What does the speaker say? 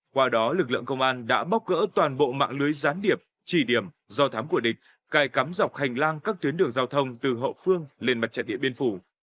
qua đó lực lượng công an đã bóc gỡ toàn bộ mạng lưới gián điệp trì điểm do thám của địch cài cắm dọc hành lang các tuyến đường giao thông từ hậu phương lên mặt trận địa biên phủ